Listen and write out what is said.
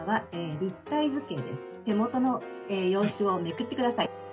手元の用紙をめくってください。